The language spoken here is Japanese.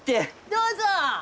どうぞ！